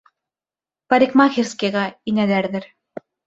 Парикмахерскийға инәләрҙер...